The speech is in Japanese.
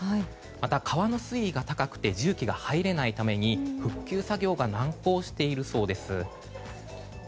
また川の水位が高くて重機が入れないために復旧作業が難航しているそうです。